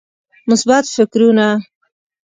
مثبت فکرونه